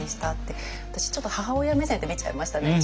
私ちょっと母親目線で見ちゃいましたね。